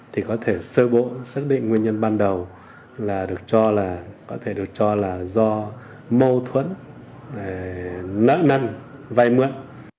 thì có thể sơ bộ xác định nguyên nhân ban đầu là được cho là có thể được cho là do mâu thuẫn nợ năn vay mượn